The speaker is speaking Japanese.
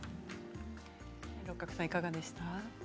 六角さん、いかがでした？